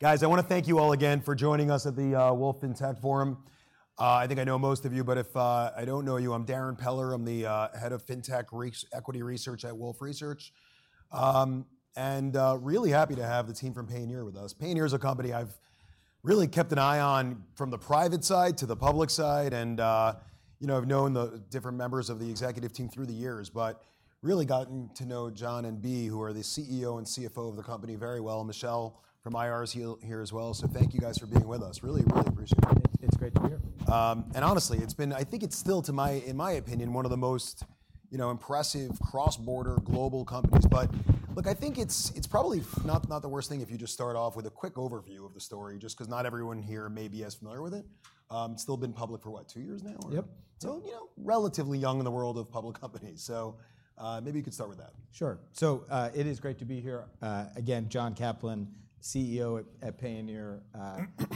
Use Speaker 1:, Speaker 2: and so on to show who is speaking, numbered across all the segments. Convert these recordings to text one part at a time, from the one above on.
Speaker 1: Guys, I want to thank you all again for joining us at the Wolfe FinTech Forum. I think I know most of you, but if I don't know you, I'm Darrin Peller. I'm the head of FinTech equity research at Wolfe Research. Really happy to have the team from Payoneer with us. Payoneer is a company I've really kept an eye on from the private side to the public side. I've known the different members of the executive team through the years, but really gotten to know John and Bea, who are the CEO and CFO of the company, very well. Michelle from IR is here as well. So thank you guys for being with us. Really, really appreciate it.
Speaker 2: It's great to be here.
Speaker 1: And honestly, it's been, I think it's still, in my opinion, one of the most impressive cross-border global companies. But look, I think it's probably not the worst thing if you just start off with a quick overview of the story, just because not everyone here may be as familiar with it. It's still been public for, what, two years now?
Speaker 2: Yep.
Speaker 1: Relatively young in the world of public companies. Maybe you could start with that.
Speaker 2: Sure. So it is great to be here. Again, John Caplan, CEO at Payoneer,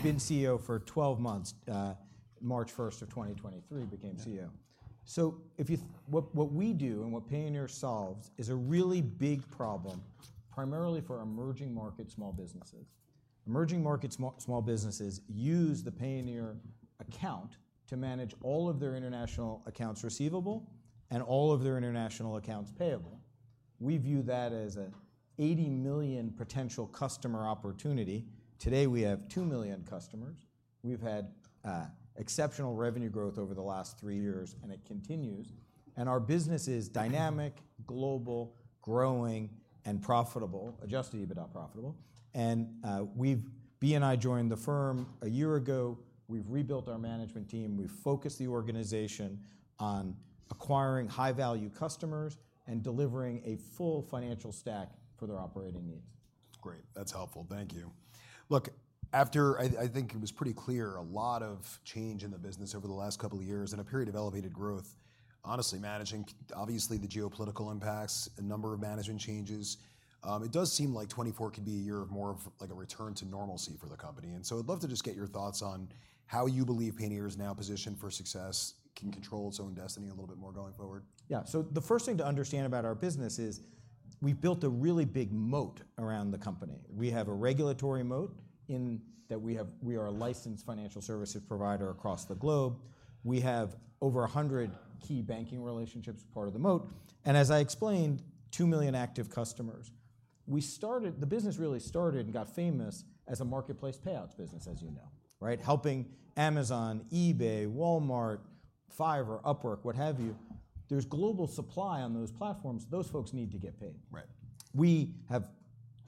Speaker 2: been CEO for 12 months. March 1, 2023, became CEO. So what we do and what Payoneer solves is a really big problem, primarily for emerging market small businesses. Emerging market small businesses use the Payoneer account to manage all of their international accounts receivable and all of their international accounts payable. We view that as an 80 million potential customer opportunity. Today, we have 2 million customers. We've had exceptional revenue growth over the last 3 years, and it continues. And our business is dynamic, global, growing, and profitable, Adjusted EBITDA profitable. And Bea and I joined the firm a year ago. We've rebuilt our management team. We've focused the organization on acquiring high-value customers and delivering a full financial stack for their operating needs.
Speaker 1: Great. That's helpful. Thank you. Look, I think it was pretty clear, a lot of change in the business over the last couple of years and a period of elevated growth, honestly managing, obviously, the geopolitical impacts, a number of management changes. It does seem like 2024 could be a year of more of like a return to normalcy for the company. And so I'd love to just get your thoughts on how you believe Payoneer is now positioned for success, can control its own destiny a little bit more going forward.
Speaker 2: Yeah. So the first thing to understand about our business is we've built a really big moat around the company. We have a regulatory moat in that we are a licensed financial services provider across the globe. We have over 100 key banking relationships part of the moat. And as I explained, 2 million active customers. The business really started and got famous as a marketplace payouts business, as you know, helping Amazon, eBay, Walmart, Fiverr, Upwork, what have you. There's global supply on those platforms. Those folks need to get paid. We have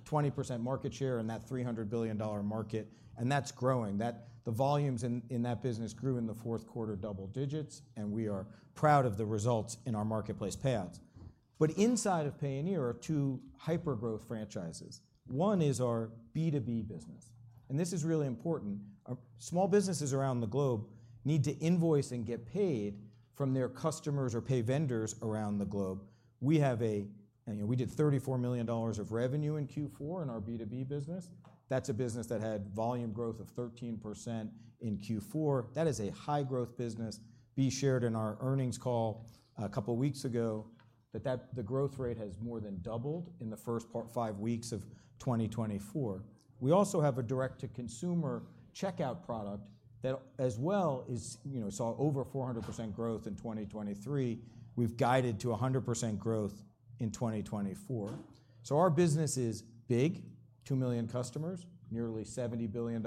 Speaker 2: 20% market share in that $300 billion market, and that's growing. The volumes in that business grew in the fourth quarter double digits. And we are proud of the results in our marketplace payouts. But inside of Payoneer are two hyper-growth franchises. One is our B2B business. And this is really important. Small businesses around the globe need to invoice and get paid from their customers or pay vendors around the globe. We did $34 million of revenue in Q4 in our B2B business. That's a business that had volume growth of 13% in Q4. That is a high-growth business. Bea shared in our earnings call a couple of weeks ago that the growth rate has more than doubled in the first five weeks of 2024. We also have a direct-to-consumer checkout product that as well saw over 400% growth in 2023. We've guided to 100% growth in 2024. So our business is big, 2 million customers, nearly $70 billion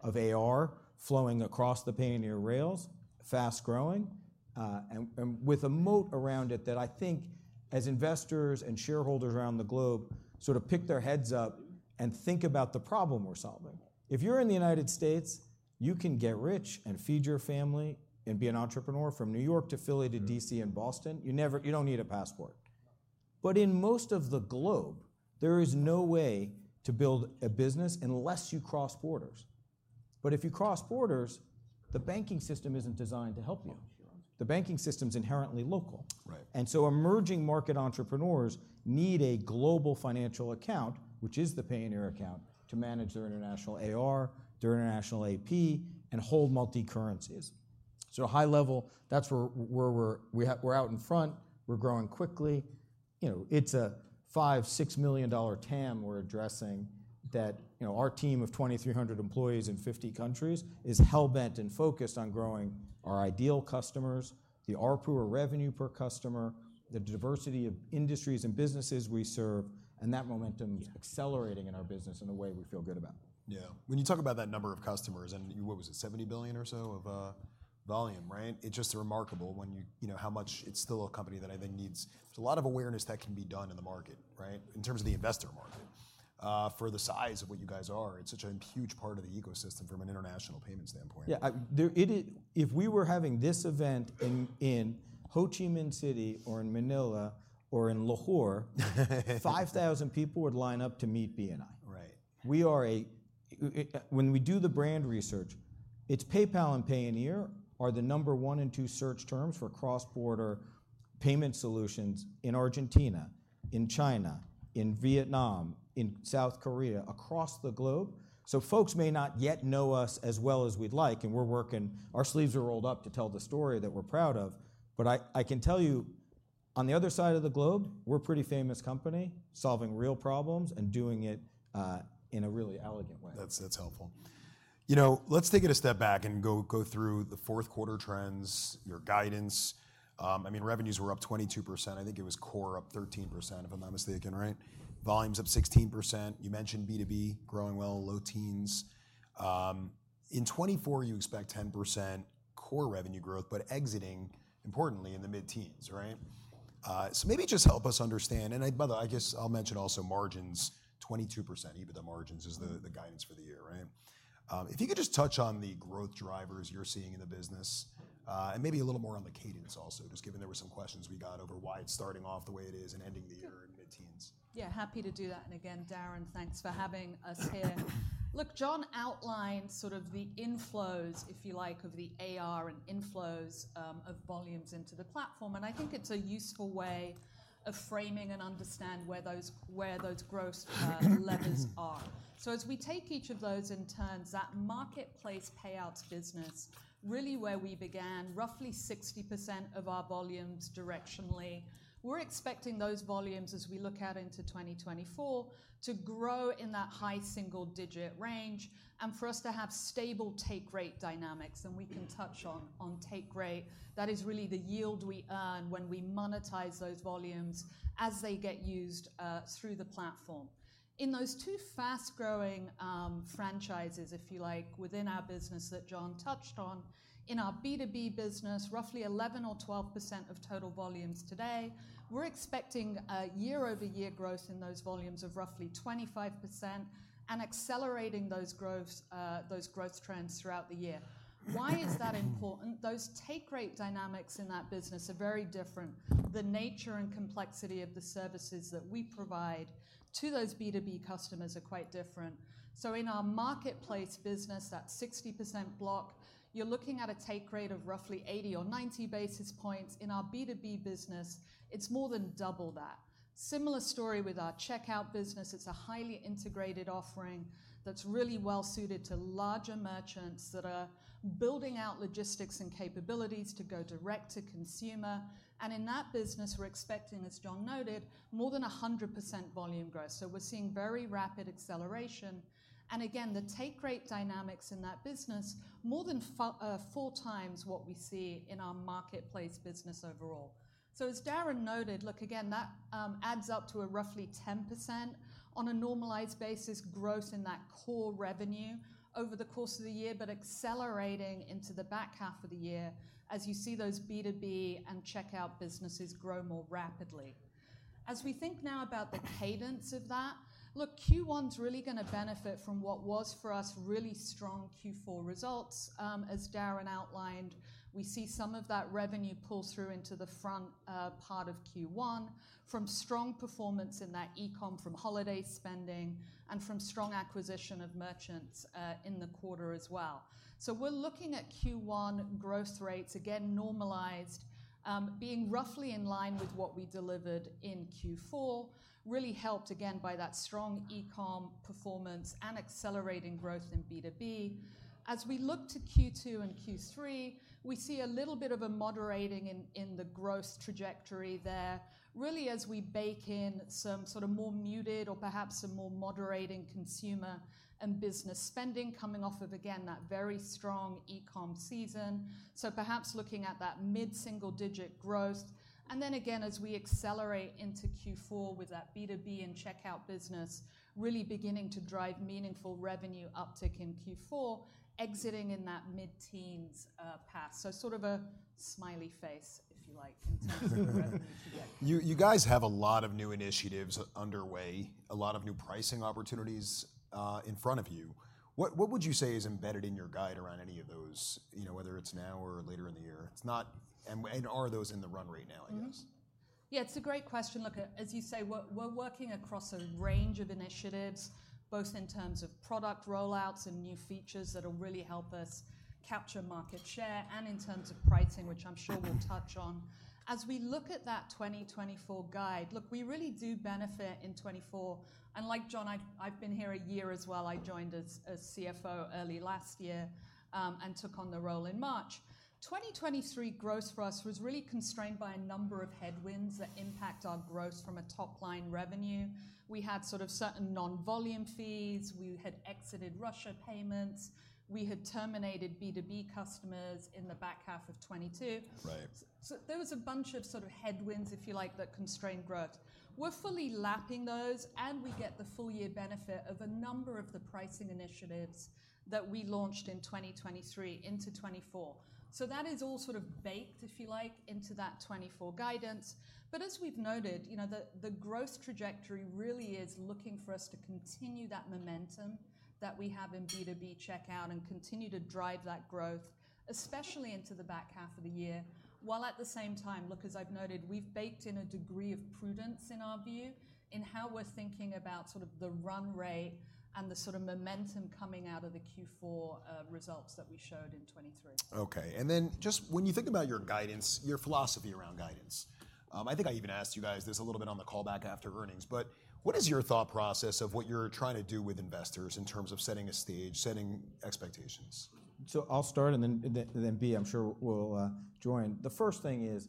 Speaker 2: of AR flowing across the Payoneer rails, fast growing, and with a moat around it that I think, as investors and shareholders around the globe sort of pick their heads up and think about the problem we're solving. If you're in the United States, you can get rich and feed your family and be an entrepreneur. From New York to Philly to D.C. and Boston, you don't need a passport. But in most of the globe, there is no way to build a business unless you cross borders. But if you cross borders, the banking system isn't designed to help you. The banking system's inherently local. And so emerging market entrepreneurs need a global financial account, which is the Payoneer account, to manage their international AR, their international AP, and hold multicurrencies. So high level, that's where we're out in front. We're growing quickly. It's a $5-$6 million TAM we're addressing that our team of 2,300 employees in 50 countries is hellbent and focused on growing our ideal customers, the RPU or revenue per customer, the diversity of industries and businesses we serve, and that momentum accelerating in our business in a way we feel good about.
Speaker 1: Yeah. When you talk about that number of customers and what was it, $70 billion or so of volume, it's just remarkable how much it's still a company that I think needs, there's a lot of awareness that can be done in the market in terms of the investor market. For the size of what you guys are, it's such a huge part of the ecosystem from an international payment standpoint.
Speaker 2: Yeah. If we were having this event in Ho Chi Minh City or in Manila or in Lahore, 5,000 people would line up to meet Bea and I. When we do the brand research, it's PayPal and Payoneer are the number one and two search terms for cross-border payment solutions in Argentina, in China, in Vietnam, in South Korea, across the globe. So folks may not yet know us as well as we'd like. And our sleeves are rolled up to tell the story that we're proud of. But I can tell you, on the other side of the globe, we're a pretty famous company solving real problems and doing it in a really elegant way.
Speaker 1: That's helpful. Let's take it a step back and go through the fourth quarter trends, your guidance. I mean, revenues were up 22%. I think it was core up 13%, if I'm not mistaken, right? Volumes up 16%. You mentioned B2B growing well, low teens. In 2024, you expect 10% core revenue growth, but exiting, importantly, in the mid-teens. So maybe just help us understand. And by the way, I guess I'll mention also margins, 22% EBITDA margins is the guidance for the year. If you could just touch on the growth drivers you're seeing in the business and maybe a little more on the cadence also, just given there were some questions we got over why it's starting off the way it is and ending the year in mid-teens.
Speaker 3: Yeah, happy to do that. And again, Darrin, thanks for having us here. Look, John outlined sort of the inflows, if you like, of the AR and inflows of volumes into the platform. And I think it's a useful way of framing and understanding where those growth levers are. So as we take each of those in turns, that marketplace payouts business, really where we began, roughly 60% of our volumes directionally, we're expecting those volumes, as we look out into 2024, to grow in that high single-digit range and for us to have stable take rate dynamics. And we can touch on take rate. That is really the yield we earn when we monetize those volumes as they get used through the platform. In those two fast-growing franchises, if you like, within our business that John touched on, in our B2B business, roughly 11% or 12% of total volumes today, we're expecting year-over-year growth in those volumes of roughly 25% and accelerating those growth trends throughout the year. Why is that important? Those take rate dynamics in that business are very different. The nature and complexity of the services that we provide to those B2B customers are quite different. So in our marketplace business, that 60% block, you're looking at a take rate of roughly 80 or 90 basis points. In our B2B business, it's more than double that. Similar story with our checkout business. It's a highly integrated offering that's really well suited to larger merchants that are building out logistics and capabilities to go direct to consumer. And in that business, we're expecting, as John noted, more than 100% volume growth. So we're seeing very rapid acceleration. And again, the take rate dynamics in that business, more than 4x what we see in our marketplace business overall. So as Darrin noted, look, again, that adds up to a roughly 10% on a normalized basis growth in that core revenue over the course of the year, but accelerating into the back half of the year as you see those B2B and checkout businesses grow more rapidly. As we think now about the cadence of that, look, Q1's really going to benefit from what was for us really strong Q4 results. As Darrin outlined, we see some of that revenue pull through into the front part of Q1 from strong performance in that e-comm, from holiday spending, and from strong acquisition of merchants in the quarter as well. So we're looking at Q1 growth rates, again, normalized, being roughly in line with what we delivered in Q4, really helped, again, by that strong e-comm performance and accelerating growth in B2B. As we look to Q2 and Q3, we see a little bit of a moderating in the growth trajectory there, really as we bake in some sort of more muted or perhaps some more moderating consumer and business spending coming off of, again, that very strong e-comm season. So perhaps looking at that mid-single digit growth. And then again, as we accelerate into Q4 with that B2B and checkout business really beginning to drive meaningful revenue uptick in Q4, exiting in that mid-teens path, so sort of a smiley face, if you like, in terms of the revenue today.
Speaker 1: You guys have a lot of new initiatives underway, a lot of new pricing opportunities in front of you. What would you say is embedded in your guide around any of those, whether it's now or later in the year? And are those in the run right now, I guess?
Speaker 3: Yeah, it's a great question. Look, as you say, we're working across a range of initiatives, both in terms of product rollouts and new features that will really help us capture market share and in terms of pricing, which I'm sure we'll touch on. As we look at that 2024 guide, look, we really do benefit in 2024. And like John, I've been here a year as well. I joined as CFO early last year and took on the role in March. 2023 growth for us was really constrained by a number of headwinds that impact our growth from a top-line revenue. We had sort of certain non-volume fees. We had exited Russia payments. We had terminated B2B customers in the back half of 2022. So there was a bunch of sort of headwinds, if you like, that constrained growth. We're fully lapping those. We get the full year benefit of a number of the pricing initiatives that we launched in 2023 into 2024. So that is all sort of baked, if you like, into that 2024 guidance. But as we've noted, the growth trajectory really is looking for us to continue that momentum that we have in B2B checkout and continue to drive that growth, especially into the back half of the year, while at the same time, look, as I've noted, we've baked in a degree of prudence in our view in how we're thinking about sort of the run rate and the sort of momentum coming out of the Q4 results that we showed in 2023.
Speaker 1: OK. And then just when you think about your guidance, your philosophy around guidance, I think I even asked you guys this a little bit on the callback after earnings. But what is your thought process of what you're trying to do with investors in terms of setting a stage, setting expectations?
Speaker 2: So I'll start. And then Bea, I'm sure, will join. The first thing is,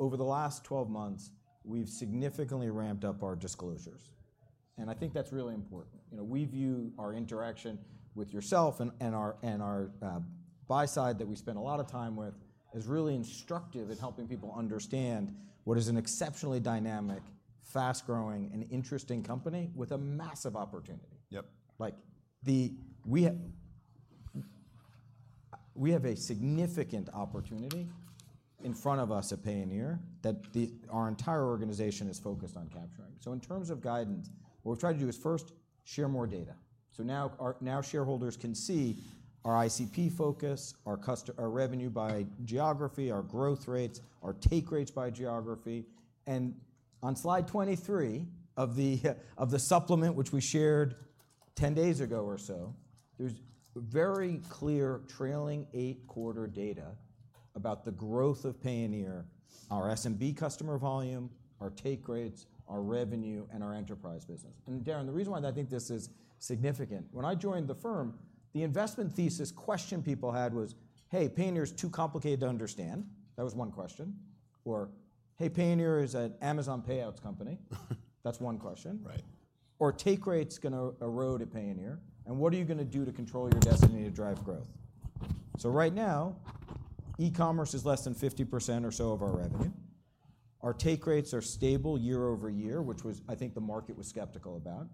Speaker 2: over the last 12 months, we've significantly ramped up our disclosures. And I think that's really important. We view our interaction with yourself and our buy side that we spend a lot of time with as really instructive in helping people understand what is an exceptionally dynamic, fast-growing, and interesting company with a massive opportunity. We have a significant opportunity in front of us at Payoneer that our entire organization is focused on capturing. So in terms of guidance, what we've tried to do is first share more data. So now shareholders can see our ICP focus, our revenue by geography, our growth rates, our take rates by geography. On slide 23 of the supplement, which we shared 10 days ago or so, there's very clear trailing eight-quarter data about the growth of Payoneer, our S&B customer volume, our take rates, our revenue, and our enterprise business. Darrin, the reason why I think this is significant, when I joined the firm, the investment thesis question people had was, hey, Payoneer's too complicated to understand. That was one question. Or hey, Payoneer is an Amazon payouts company. That's one question. Or take rate's going to erode at Payoneer. And what are you going to do to control your destiny to drive growth? Right now, e-commerce is less than 50% or so of our revenue. Our take rates are stable year-over-year, which I think the market was skeptical about.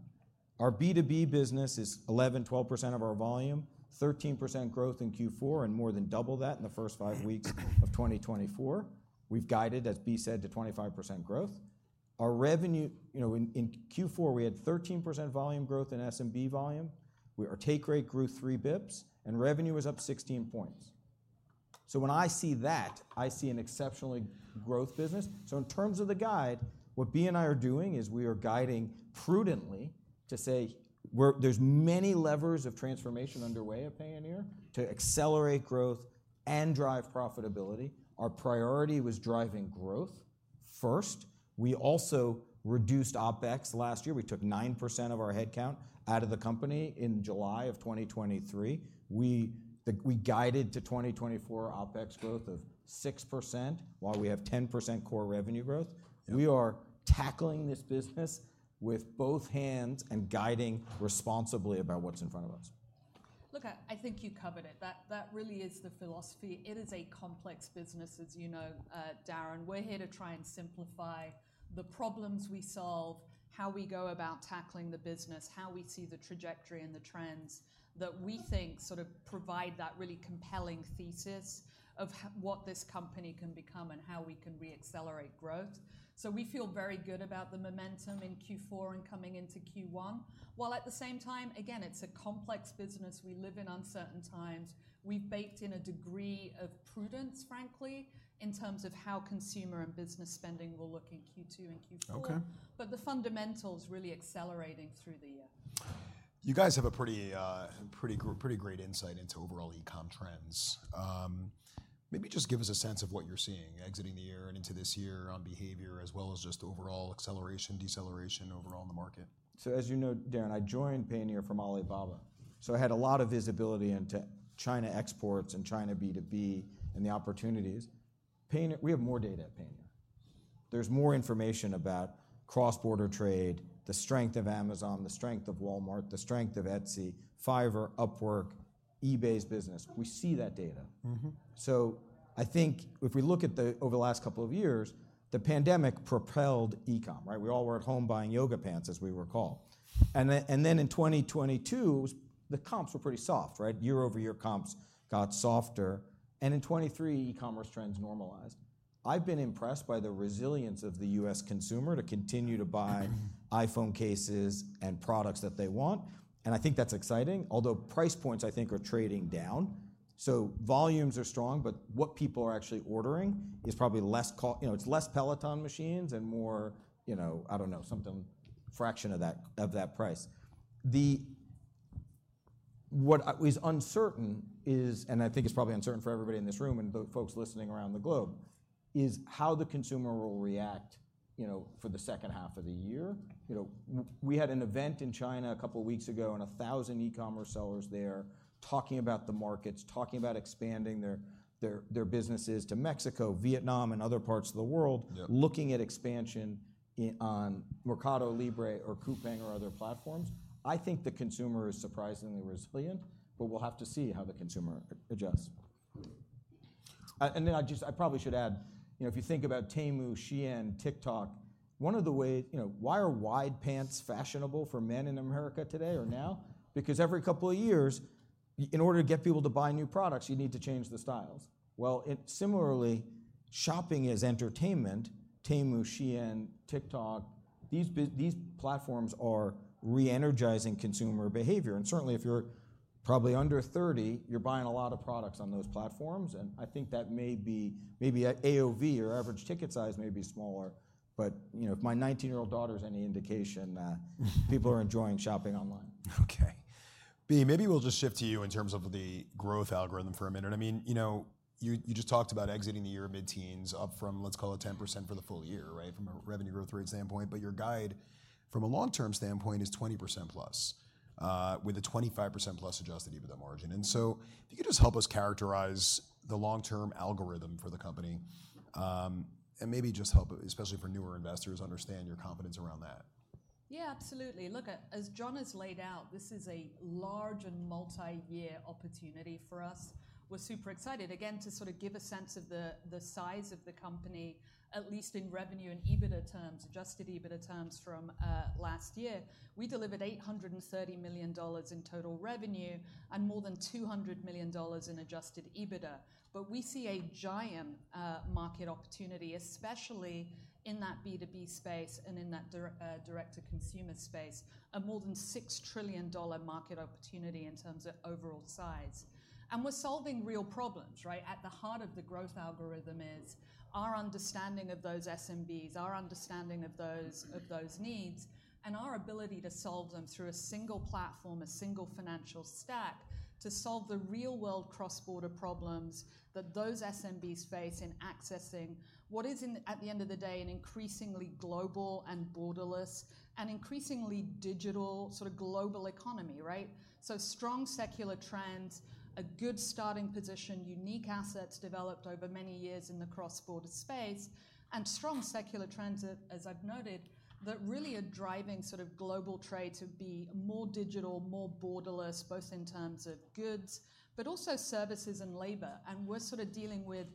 Speaker 2: Our B2B business is 11%-12% of our volume, 13% growth in Q4, and more than double that in the first five weeks of 2024. We've guided, as Bea said, to 25% growth. In Q4, we had 13% volume growth in S&B volume. Our take rate grew 3 basis points. And revenue was up 16 percentage points. So when I see that, I see an exceptionally growth business. So in terms of the guide, what Bea and I are doing is we are guiding prudently to say there's many levers of transformation underway at Payoneer to accelerate growth and drive profitability. Our priority was driving growth first. We also reduced OpEx last year. We took 9% of our headcount out of the company in July of 2023. We guided to 2024 OpEx growth of 6% while we have 10% core revenue growth. We are tackling this business with both hands and guiding responsibly about what's in front of us.
Speaker 3: Look, I think you covered it. That really is the philosophy. It is a complex business, as you know, Darrin. We're here to try and simplify the problems we solve, how we go about tackling the business, how we see the trajectory and the trends that we think sort of provide that really compelling thesis of what this company can become and how we can re-accelerate growth. So we feel very good about the momentum in Q4 and coming into Q1. While at the same time, again, it's a complex business. We live in uncertain times. We've baked in a degree of prudence, frankly, in terms of how consumer and business spending will look in Q2 and Q4. But the fundamental's really accelerating through the year.
Speaker 1: You guys have a pretty great insight into overall E-comm trends. Maybe just give us a sense of what you're seeing exiting the year and into this year on behavior, as well as just overall acceleration, deceleration overall in the market.
Speaker 2: So as you know, Darrin, I joined Payoneer from Alibaba. So I had a lot of visibility into China exports and China B2B and the opportunities. We have more data at Payoneer. There's more information about cross-border trade, the strength of Amazon, the strength of Walmart, the strength of Etsy, Fiverr, Upwork, eBay's business. We see that data. So I think if we look at the over the last couple of years, the pandemic propelled e-comm. We all were at home buying yoga pants, as we recall. And then in 2022, the comps were pretty soft. Year-over-year, comps got softer. And in 2023, e-commerce trends normalized. I've been impressed by the resilience of the U.S. consumer to continue to buy iPhone cases and products that they want. And I think that's exciting, although price points, I think, are trading down. So volumes are strong. But what people are actually ordering is probably less. It's less Peloton machines and more, I don't know, something fraction of that price. What is uncertain is, and I think it's probably uncertain for everybody in this room and the folks listening around the globe, is how the consumer will react for the second half of the year. We had an event in China a couple of weeks ago, and 1,000 e-commerce sellers there talking about the markets, talking about expanding their businesses to Mexico, Vietnam, and other parts of the world, looking at expansion on Mercado Libre or Coupang or other platforms. I think the consumer is surprisingly resilient. But we'll have to see how the consumer adjusts. And then I probably should add, if you think about Temu, Shein, TikTok, one of the ways why are wide pants fashionable for men in America today or now? Because every couple of years, in order to get people to buy new products, you need to change the styles. Well, similarly, shopping is entertainment. Temu, Shein, TikTok, these platforms are re-energizing consumer behavior. And certainly, if you're probably under 30, you're buying a lot of products on those platforms. And I think that may be maybe AOV or average ticket size may be smaller. But if my 19-year-old daughter's any indication, people are enjoying shopping online.
Speaker 1: OK. Bea, maybe we'll just shift to you in terms of the growth algorithm for a minute. I mean, you just talked about exiting the year mid-teens up from, let's call it, 10% for the full year from a revenue growth rate standpoint. But your guide, from a long-term standpoint, is 20%+ with a 25%+ Adjusted EBITDA margin. And so if you could just help us characterize the long-term algorithm for the company and maybe just help, especially for newer investors, understand your confidence around that.
Speaker 3: Yeah, absolutely. Look, as John has laid out, this is a large and multi-year opportunity for us. We're super excited, again, to sort of give a sense of the size of the company, at least in revenue and EBITDA terms, adjusted EBITDA terms from last year. We delivered $830 million in total revenue and more than $200 million in adjusted EBITDA. But we see a giant market opportunity, especially in that B2B space and in that direct-to-consumer space, a more than $6 trillion market opportunity in terms of overall size. We're solving real problems. At the heart of the growth algorithm is our understanding of those S&Bs, our understanding of those needs, and our ability to solve them through a single platform, a single financial stack, to solve the real-world cross-border problems that those S&Bs face in accessing what is, at the end of the day, an increasingly global and borderless and increasingly digital sort of global economy. So strong secular trends, a good starting position, unique assets developed over many years in the cross-border space, and strong secular trends, as I've noted, that really are driving sort of global trade to be more digital, more borderless, both in terms of goods but also services and labor. And we're sort of dealing with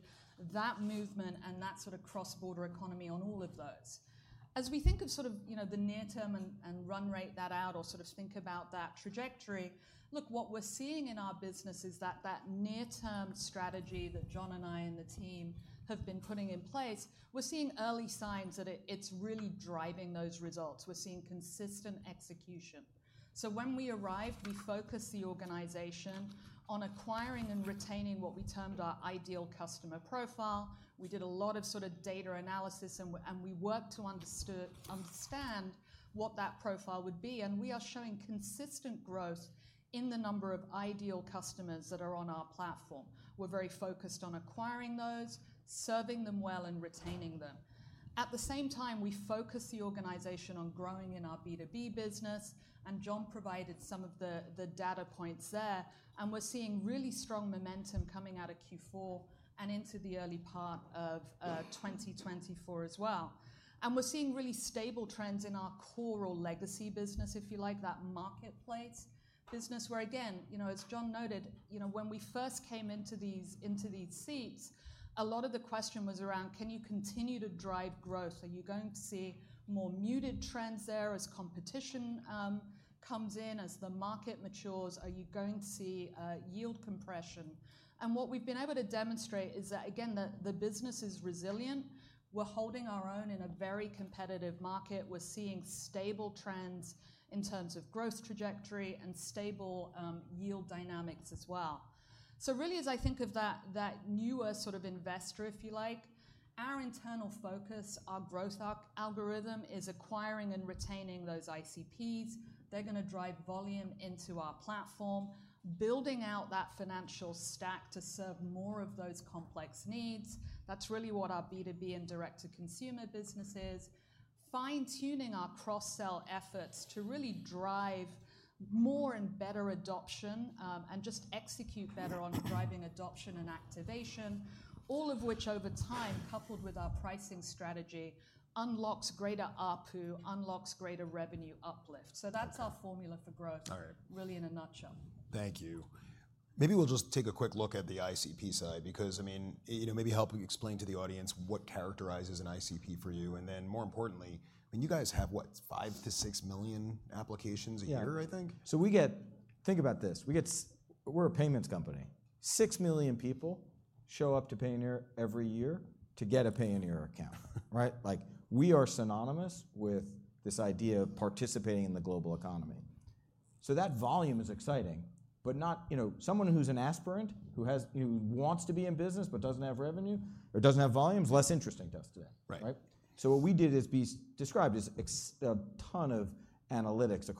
Speaker 3: that movement and that sort of cross-border economy on all of those. As we think of sort of the near-term and run rate that out or sort of think about that trajectory, look, what we're seeing in our business is that that near-term strategy that John and I and the team have been putting in place, we're seeing early signs that it's really driving those results. We're seeing consistent execution. So when we arrived, we focused the organization on acquiring and retaining what we termed our ideal customer profile. We did a lot of sort of data analysis. And we worked to understand what that profile would be. And we are showing consistent growth in the number of ideal customers that are on our platform. We're very focused on acquiring those, serving them well, and retaining them. At the same time, we focus the organization on growing in our B2B business. And John provided some of the data points there. And we're seeing really strong momentum coming out of Q4 and into the early part of 2024 as well. And we're seeing really stable trends in our core or legacy business, if you like, that marketplace business where, again, as John noted, when we first came into these seats, a lot of the question was around, can you continue to drive growth? Are you going to see more muted trends there as competition comes in, as the market matures? Are you going to see yield compression? And what we've been able to demonstrate is that, again, the business is resilient. We're holding our own in a very competitive market. We're seeing stable trends in terms of growth trajectory and stable yield dynamics as well. So really, as I think of that newer sort of investor, if you like, our internal focus, our growth algorithm, is acquiring and retaining those ICPs. They're going to drive volume into our platform, building out that financial stack to serve more of those complex needs. That's really what our B2B and direct-to-consumer business is, fine-tuning our cross-sell efforts to really drive more and better adoption and just execute better on driving adoption and activation, all of which, over time, coupled with our pricing strategy, unlocks greater ARPU, unlocks greater revenue uplift. So that's our formula for growth, really in a nutshell.
Speaker 1: Thank you. Maybe we'll just take a quick look at the ICP side because maybe help explain to the audience what characterizes an ICP for you. And then more importantly, you guys have, what, 5-6 million applications a year, I think?
Speaker 2: Yeah. So we gotta think about this. We're a payments company. 6 million people show up to Payoneer every year to get a Payoneer account. We are synonymous with this idea of participating in the global economy. So that volume is exciting. But someone who's an aspirant, who wants to be in business but doesn't have revenue or doesn't have volumes, less interesting to us today. So what we did is describe a ton of analytics,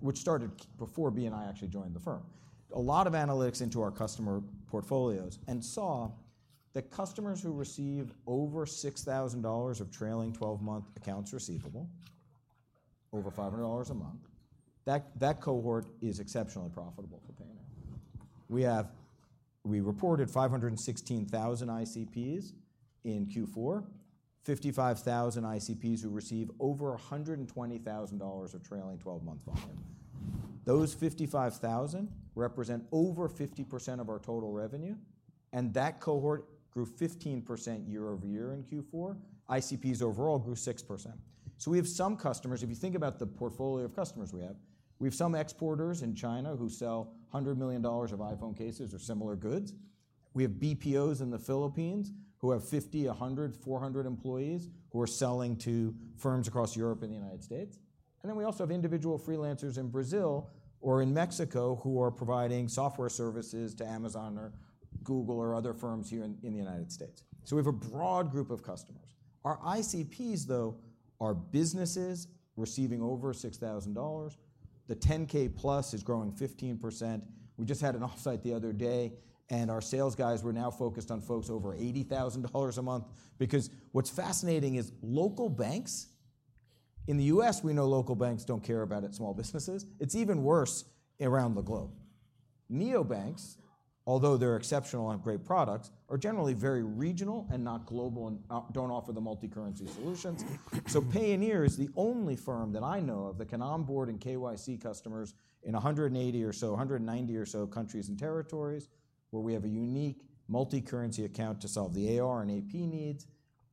Speaker 2: which started before Bea and I actually joined the firm, a lot of analytics into our customer portfolios and saw that customers who receive over $6,000 of trailing 12-month accounts receivable, over $500 a month, that cohort is exceptionally profitable for Payoneer. We reported 516,000 ICPs in Q4, 55,000 ICPs who receive over $120,000 of trailing 12-month volume. Those 55,000 represent over 50% of our total revenue. That cohort grew 15% year-over-year in Q4. ICPs overall grew 6%. So we have some customers if you think about the portfolio of customers we have, we have some exporters in China who sell $100 million of iPhone cases or similar goods. We have BPOs in the Philippines who have 50, 100, 400 employees who are selling to firms across Europe and the United States. And then we also have individual freelancers in Brazil or in Mexico who are providing software services to Amazon or Google or other firms here in the United States. So we have a broad group of customers. Our ICPs, though, are businesses receiving over $6,000. The $10,000+ is growing 15%. We just had an offsite the other day. And our sales guys were now focused on folks over $80,000 a month because what's fascinating is local banks in the U.S., we know local banks don't care about small businesses. It's even worse around the globe. Neobanks, although they're exceptional and have great products, are generally very regional and not global and don't offer the multicurrency solutions. So Payoneer is the only firm that I know of that can onboard and KYC customers in 180 or so, 190 or so countries and territories where we have a unique multicurrency account to solve the AR and AP needs.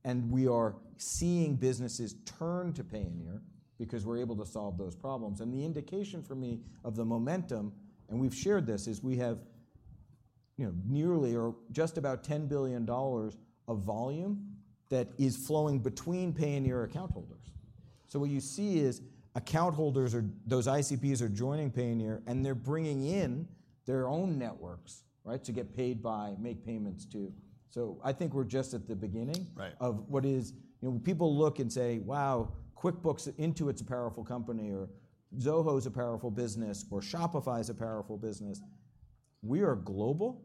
Speaker 2: And we are seeing businesses turn to Payoneer because we're able to solve those problems. And the indication for me of the momentum and we've shared this is we have nearly or just about $10 billion of volume that is flowing between Payoneer account holders. What you see is account holders or those ICPs are joining Payoneer. They're bringing in their own networks to get paid by, make payments to. I think we're just at the beginning of what is people look and say, wow, QuickBooks Intuit's a powerful company, or Zoho's a powerful business, or Shopify's a powerful business. We are global,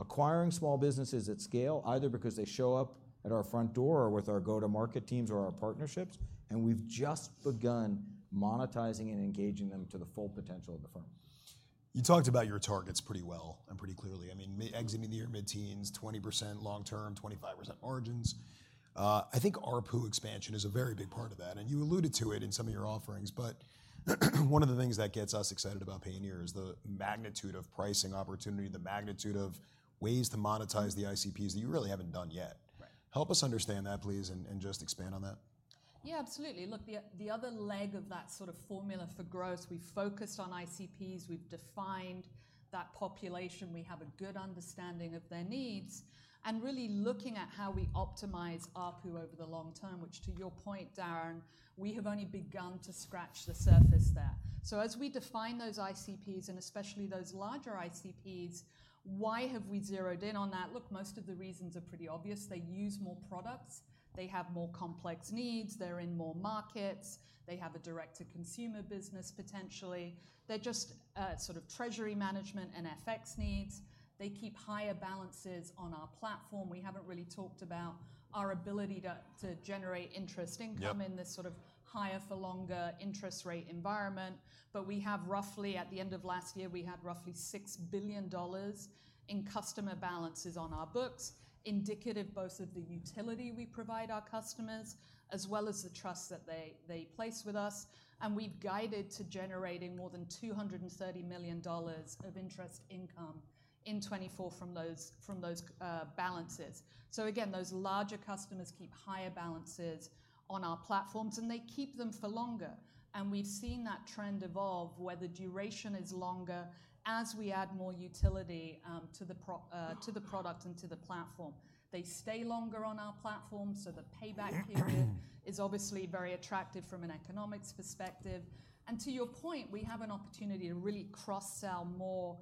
Speaker 2: acquiring small businesses at scale, either because they show up at our front door or with our go-to-market teams or our partnerships. We've just begun monetizing and engaging them to the full potential of the firm.
Speaker 1: You talked about your targets pretty well and pretty clearly, exiting the year mid-teens, 20% long-term, 25% margins. I think ARPU expansion is a very big part of that. And you alluded to it in some of your offerings. But one of the things that gets us excited about Payoneer is the magnitude of pricing opportunity, the magnitude of ways to monetize the ICPs that you really haven't done yet. Help us understand that, please, and just expand on that.
Speaker 3: Yeah, absolutely. Look, the other leg of that sort of formula for growth, we focused on ICPs. We've defined that population. We have a good understanding of their needs. Really looking at how we optimize ARPU over the long term, which to your point, Darrin, we have only begun to scratch the surface there. So as we define those ICPs and especially those larger ICPs, why have we zeroed in on that? Look, most of the reasons are pretty obvious. They use more products. They have more complex needs. They're in more markets. They have a direct-to-consumer business, potentially. They're just sort of treasury management and FX needs. They keep higher balances on our platform. We haven't really talked about our ability to generate interest income in this sort of higher-for-longer interest rate environment. But we have roughly at the end of last year, we had roughly $6 billion in customer balances on our books, indicative both of the utility we provide our customers as well as the trust that they place with us. And we've guided to generating more than $230 million of interest income in 2024 from those balances. So again, those larger customers keep higher balances on our platforms. And they keep them for longer. And we've seen that trend evolve where the duration is longer as we add more utility to the product and to the platform. They stay longer on our platform. So the payback period is obviously very attractive from an economics perspective. And to your point, we have an opportunity to really cross-sell more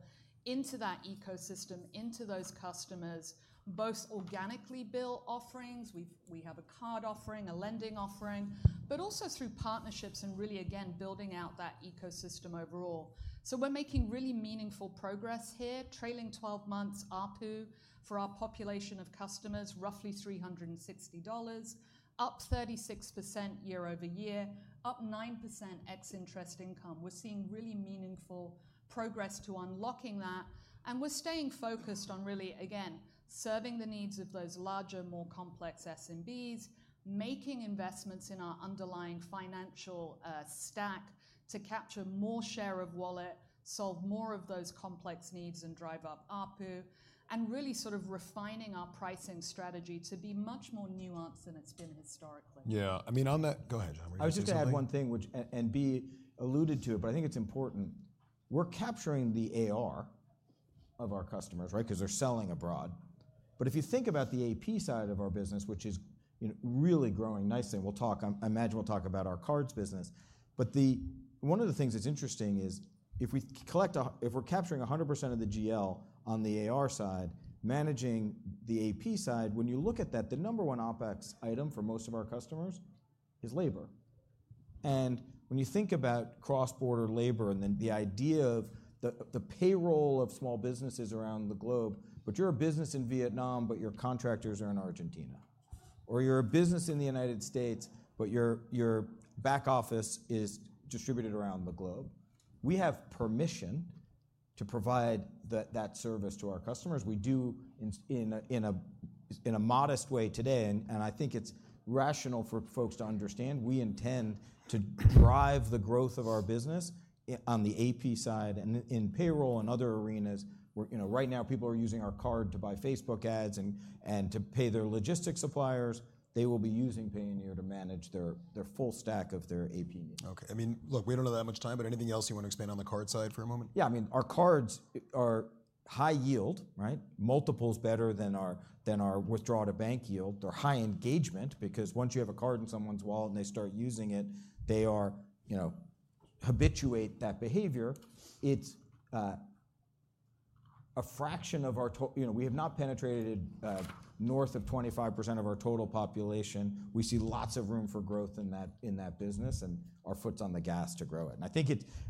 Speaker 3: into that ecosystem, into those customers, both organically bill offerings. We have a card offering, a lending offering, but also through partnerships and really, again, building out that ecosystem overall. So we're making really meaningful progress here, trailing 12 months ARPU for our population of customers, roughly $360, up 36% year-over-year, up 9% ex-interest income. We're seeing really meaningful progress to unlocking that. And we're staying focused on really, again, serving the needs of those larger, more complex S&Bs, making investments in our underlying financial stack to capture more share of wallet, solve more of those complex needs, and drive up ARPU, and really sort of refining our pricing strategy to be much more nuanced than it's been historically.
Speaker 1: Yeah. I mean, on that, go ahead, John.
Speaker 2: I was just going to add one thing and Bea alluded to it. But I think it's important. We're capturing the AR of our customers because they're selling abroad. But if you think about the AP side of our business, which is really growing nicely and we'll talk, I imagine, about our cards business. But one of the things that's interesting is if we're capturing 100% of the GL on the AR side, managing the AP side, when you look at that, the number one OpEx item for most of our customers is labor. When you think about cross-border labor and then the idea of the payroll of small businesses around the globe but you're a business in Vietnam, but your contractors are in Argentina or you're a business in the United States, but your back office is distributed around the globe, we have permission to provide that service to our customers. We do in a modest way today. I think it's rational for folks to understand we intend to drive the growth of our business on the AP side and in payroll and other arenas. Right now, people are using our card to buy Facebook ads and to pay their logistics suppliers. They will be using Payoneer to manage their full stack of their AP needs.
Speaker 1: OK. I mean, look, we don't have that much time. But anything else you want to expand on the card side for a moment?
Speaker 2: Yeah. I mean, our cards are high yield, multiples better than our withdraw-to-bank yield. They're high engagement because once you have a card in someone's wallet and they start using it, they habituate that behavior. It's a fraction of our we have not penetrated north of 25% of our total population. We see lots of room for growth in that business and our foot's on the gas to grow it. And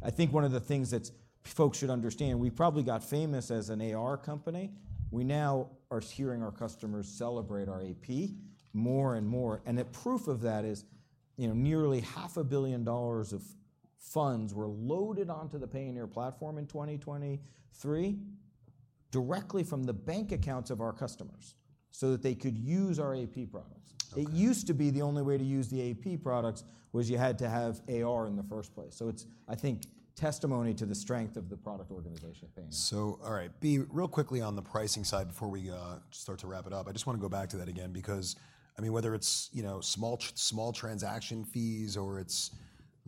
Speaker 2: I think one of the things that folks should understand we probably got famous as an AR company. We now are hearing our customers celebrate our AP more and more. And proof of that is nearly $500 million of funds were loaded onto the Payoneer platform in 2023 directly from the bank accounts of our customers so that they could use our AP products. It used to be the only way to use the AP products was you had to have AR in the first place. So it's, I think, testimony to the strength of the product organization, Payoneer.
Speaker 1: So all right, Bea, real quickly on the pricing side before we start to wrap it up. I just want to go back to that again because whether it's small transaction fees or it's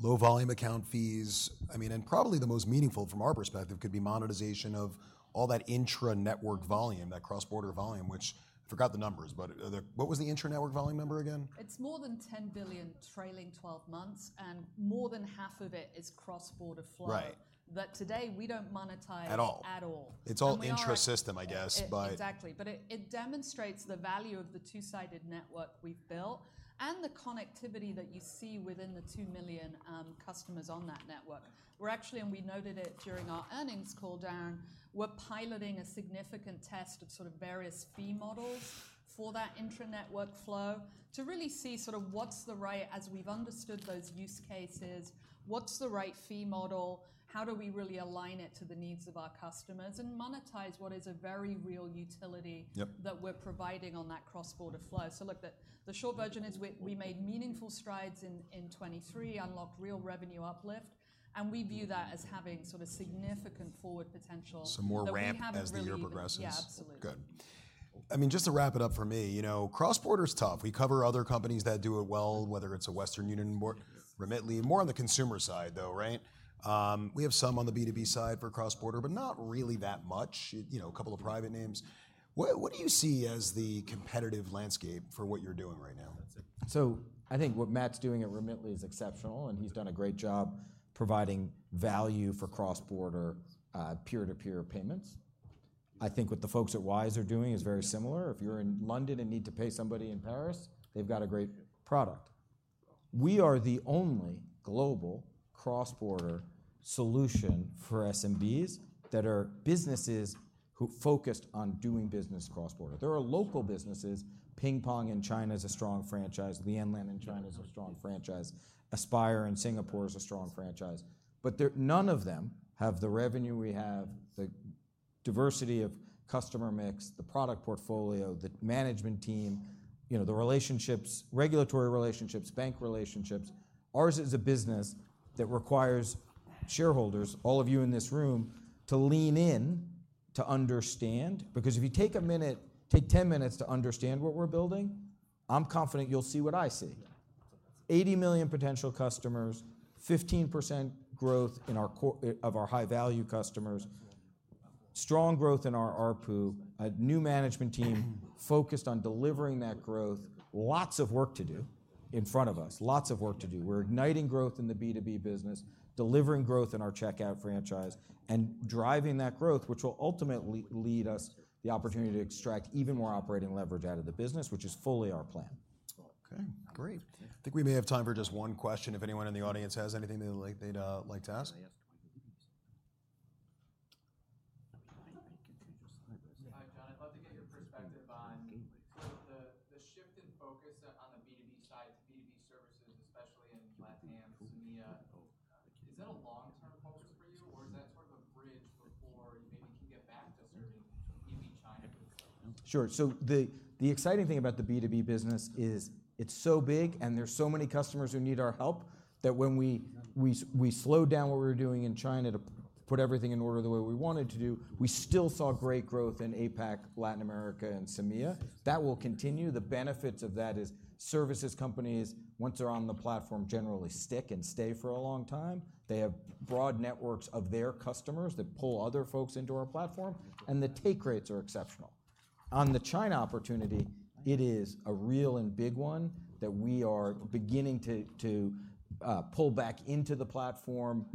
Speaker 1: low volume account fees and probably the most meaningful from our perspective could be monetization of all that intra-network volume, that cross-border volume which I forgot the numbers. But what was the intra-network volume number again?
Speaker 3: It's more than $10 billion trailing 12 months. More than half of it is cross-border flow that today we don't monetize at all.
Speaker 1: It's all intra-system, I guess.
Speaker 3: Exactly. But it demonstrates the value of the two-sided network we've built and the connectivity that you see within the 2 million customers on that network. And we noted it during our earnings call, Darrin, we're piloting a significant test of various fee models for that intra-network flow to really see what's the right as we've understood those use cases, what's the right fee model, how do we really align it to the needs of our customers, and monetize what is a very real utility that we're providing on that cross-border flow. So look, the short version is we made meaningful strides in 2023, unlocked real revenue uplift. And we view that as having significant forward potential.
Speaker 1: More ramp as the year progresses.
Speaker 3: Yeah, absolutely.
Speaker 1: Good.
Speaker 2: I mean, just to wrap it up for me, cross-border's tough. We cover other companies that do it well, whether it's Western Union, Remitly, more on the consumer side, though. We have some on the B2B side for cross-border, but not really that much, a couple of private names. What do you see as the competitive landscape for what you're doing right now? So I think what Matt's doing at Remitly is exceptional. And he's done a great job providing value for cross-border peer-to-peer payments. I think what the folks at Wise are doing is very similar. If you're in London and need to pay somebody in Paris, they've got a great product. We are the only global cross-border solution for S&Bs that are businesses focused on doing business cross-border. There are local businesses. PingPong in China is a strong franchise. LianLian in China is a strong franchise. Aspire in Singapore is a strong franchise. But none of them have the revenue we have, the diversity of customer mix, the product portfolio, the management team, the regulatory relationships, bank relationships. Ours is a business that requires shareholders, all of you in this room, to lean in to understand because if you take a minute, take 10 minutes to understand what we're building, I'm confident you'll see what I see: 80 million potential customers, 15% growth of our high-value customers, strong growth in our ARPU, a new management team focused on delivering that growth, lots of work to do in front of us, lots of work to do. We're igniting growth in the B2B business, delivering growth in our checkout franchise, and driving that growth, which will ultimately lead us the opportunity to extract even more operating leverage out of the business, which is fully our plan.
Speaker 1: OK, great. I think we may have time for just one question if anyone in the audience has anything they'd like to ask?
Speaker 4: I mean, I can change a slide, but. John, I'd love to get your perspective on the shift in focus on the B2B side to B2B services, especially in LATAM, SAMEA. Is that a long-term focus for you? Or is that sort of a bridge before you maybe can get back to serving eBay China?
Speaker 2: Sure. So the exciting thing about the B2B business is it's so big. And there's so many customers who need our help that when we slowed down what we were doing in China to put everything in order the way we wanted to do, we still saw great growth in APAC, Latin America, and SAMEA. That will continue. The benefits of that is services companies, once they're on the platform, generally stick and stay for a long time. They have broad networks of their customers that pull other folks into our platform. And the take rates are exceptional. On the China opportunity, it is a real and big one that we are beginning to pull back into the platform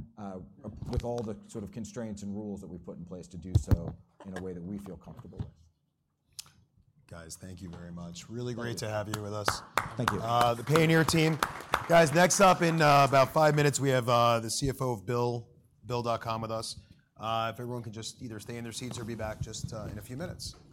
Speaker 2: with all the constraints and rules that we put in place to do so in a way that we feel comfortable with.
Speaker 1: Guys, thank you very much. Really great to have you with us.
Speaker 2: Thank you.
Speaker 1: The Payoneer team. Guys, next up in about five minutes, we have the CFO of Bill.com with us. If everyone can just either stay in their seats or be back just in a few minutes. John, thanks.